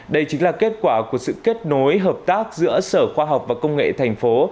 đây chính là kết quả của sự kết nối hợp tác giữa sở khoa học và công nghệ thành phố